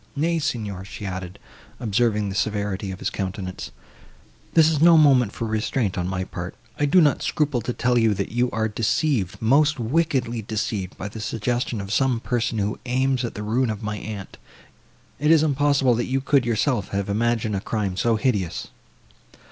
Nay, Signor," she added, observing the severity of his countenance, "this is no moment for restraint, on my part; I do not scruple to tell you, that you are deceived—most wickedly deceived, by the suggestion of some person, who aims at the ruin of my aunt:—it is impossible, that you could yourself have imagined a crime so hideous."